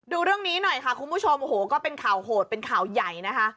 ดูเรื่องนี้หน่อยค่ะคุณผู้ชมโอ้โหก็เป็นข่าวโหดเป็นข่าวใหญ่นะคะ